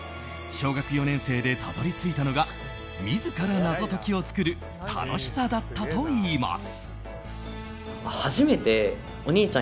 小学４年生でたどり着いたのが自ら謎解きを作る楽しさだったといいます。